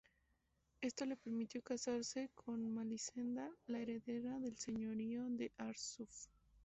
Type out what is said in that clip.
Esto le permitió casarse con Melisenda, la heredera del Señorío de Arsuf.